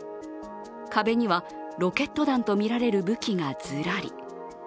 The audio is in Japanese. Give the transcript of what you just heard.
壁にはロケット弾とみられる武器がズラリ。